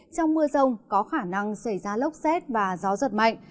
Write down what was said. trong mưa rông có khả năng xảy ra lốc xét và gió giật mạnh